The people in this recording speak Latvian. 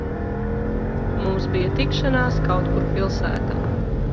Mums bija tikšanās kaut kur pilsētā.